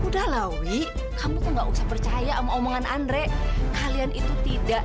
wih udah lah wih kamu nggak usah percaya omongan andre kalian itu tidak